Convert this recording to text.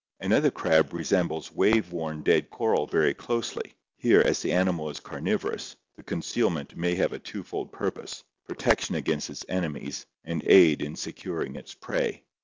Another crab resembles wave worn dead coral very closely; here, as the animal is carnivorous, the concealment may have a twofold purpose, protection against its enemies and aid in securing its prey.